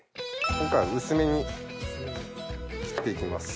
今回は薄めに切って行きます。